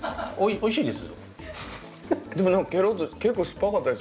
おいしいです。